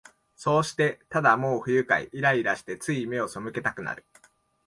そうして、ただもう不愉快、イライラして、つい眼をそむけたくなる